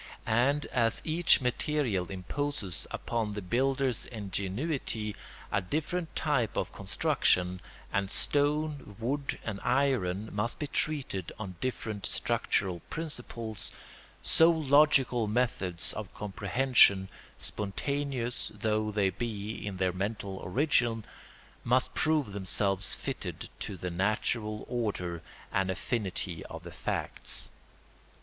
And as each material imposes upon the builder's ingenuity a different type of construction, and stone, wood, and iron must be treated on different structural principles, so logical methods of comprehension, spontaneous though they be in their mental origin, must prove themselves fitted to the natural order and affinity of the facts.